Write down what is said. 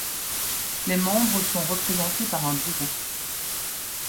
Les membres sont représentés par un Bureau.